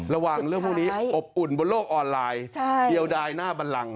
ระวังเรื่องพวกนี้อบอุ่นบนโลกออนไลน์เทียวดายหน้าบันลัง